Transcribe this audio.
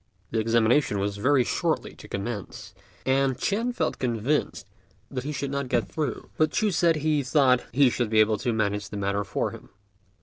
The examination was very shortly to commence, and Ch'ên felt convinced that he should not get through; but Ch'u said he thought he should be able to manage the matter for him.